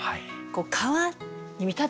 川に見立ててる。